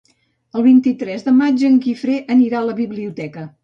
El vint-i-tres de maig en Guifré anirà a la biblioteca.